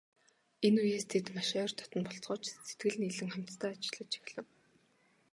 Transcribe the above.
Энэ үеэс тэд маш ойр дотно болцгоож, сэтгэл нийлэн хамтдаа ажиллаж эхлэв.